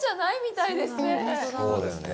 そうですね。